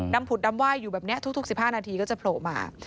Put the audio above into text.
ผุดดำไหว้อยู่แบบนี้ทุก๑๕นาทีก็จะโผล่มา